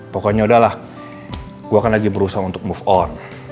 pokoknya udahlah gue akan lagi berusaha untuk move on